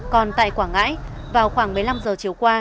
còn tại quảng ngãi vào khoảng một mươi năm giờ chiều qua